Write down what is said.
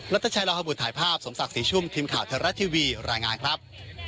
รัฐชายราวภาพถ่ายภาพสมศักดิ์สีชุ่มทีมข่าวธรรมชาติทวีรายงานครับ